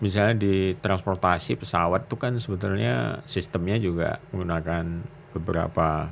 misalnya di transportasi pesawat itu kan sebetulnya sistemnya juga menggunakan beberapa